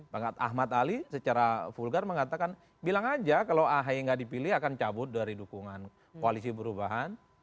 bang ahmad ali secara vulgar mengatakan bilang aja kalau ahy nggak dipilih akan cabut dari dukungan koalisi perubahan